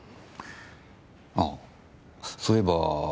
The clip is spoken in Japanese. あそういえば。